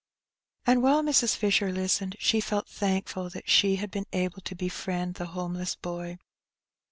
And while Mrs. Fisher Ustened, she felt thankful that she had been able to befriend the homeless boy.